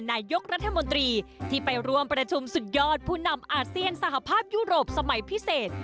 นายกรัฐมนตรีที่ไปร่วมประชุมสุดยอดผู้นำอาเซียนสหภาพยุโรปสมัยพิเศษ